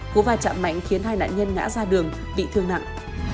cú va chạm mạnh khiến hai nạn nhân ngã ra đường bị thương nặng